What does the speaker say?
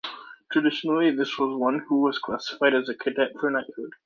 Traditionally, this was one who was classified as a 'cadet for knighthood'.